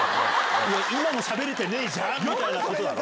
今もしゃべれてないじゃんみたいなことだろ。